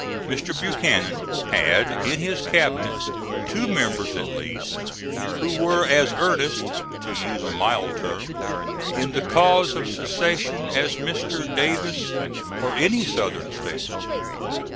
Mr. Buchanan had in his cabinet two members at least, who were as earnest to use a mild term in the cause of secession as Mr. Davis or any Southern statesman.